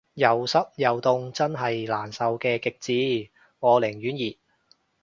有濕又凍真係難受嘅極致，我寧願熱